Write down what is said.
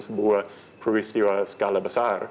sebuah peristiwa skala besar